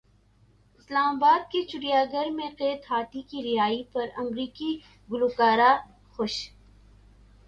اسلام باد کے چڑیا گھر میں قید ہاتھی کی رہائی پر امریکی گلوکارہ خوش